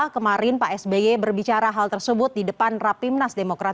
kemarin pak sby berbicara hal tersebut di depan rapimnas demokrat dua ribu dua puluh dua